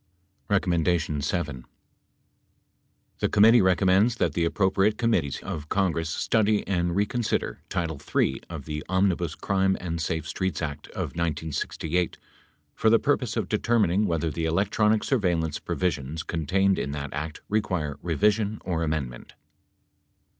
7. The committee recommends that the appropriate committees of Congress study and reconsider title III of the Omnibus Crime and Safe Streets Act of 1968 for the purpose of determining whether the electronic surveillance provisions contained in that act require revision or amendment.